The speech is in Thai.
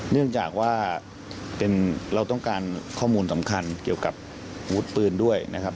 เนื่องจากว่าเราต้องการข้อมูลสำคัญเกี่ยวกับอาวุธปืนด้วยนะครับ